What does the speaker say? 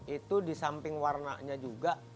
itu di samping warnanya juga